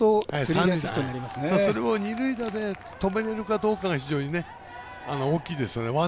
それも二塁打で止めれるかどうかが非常に大きいですよね。